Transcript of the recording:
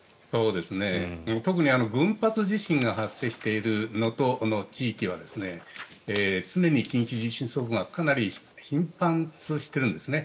特に群発地震が発生している能登の地域は常に緊急地震速報がかなり頻繁に発生しているんですね。